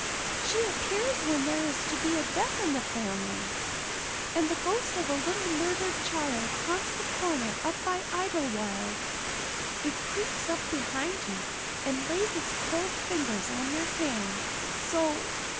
She appears when there is to be a death in the family. And the ghost of a little murdered child haunts the corner up by Idlewild; it creeps up behind you and lays its cold fingers on your hand so.